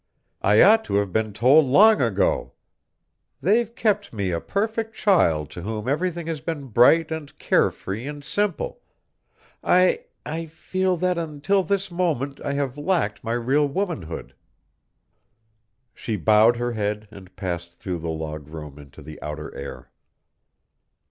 I ought to have been told long ago! They've kept me a perfect child to whom everything has been bright and care free and simple. I I feel that until this moment I have lacked my real womanhood!" She bowed her head and passed through the log room into the outer air.